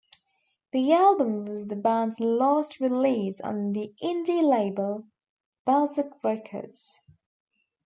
The album was the band's last release on the indie label Barsuk Records.